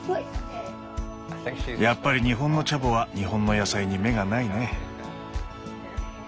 やっぱり日本のチャボは日本の野菜に目がないね。